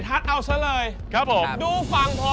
ค่ะ๒๐๐๐บาทถูกกับ